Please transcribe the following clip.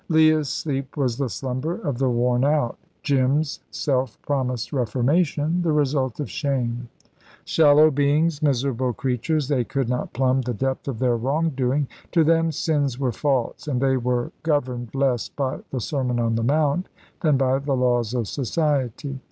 Leah's sleep was the slumber of the worn out; Jim's self promised reformation the result of shame. Shallow beings, miserable creatures, they could not plumb the depth of their wrong doing. To them, sins were faults, and they were governed less by the Sermon on the Mount than by the laws of society.